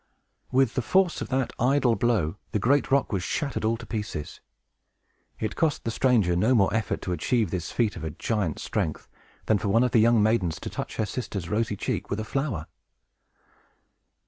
With the force of that idle blow, the great rock was shattered all to pieces. It cost the stranger no more effort to achieve this feat of a giant's strength than for one of the young maidens to touch her sister's rosy cheek with a flower.